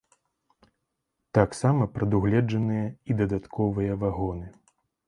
Таксама прадугледжаныя і дадатковыя вагоны.